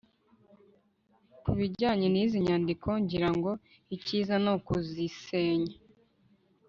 kubijyanye nizi nyandiko, ngira ngo icyiza nukuzisenya